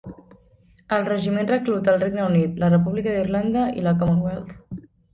El Regiment recluta el Regne Unit, la República d'Irlanda i la Commonwealth.